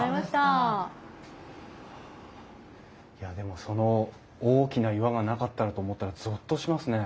いやでもその大きな岩がなかったらと思ったらゾッとしますね。